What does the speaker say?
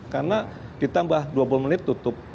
karena ditambah dua puluh menit tutup